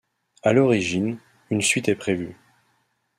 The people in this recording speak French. À l'origine, une suite est prévue.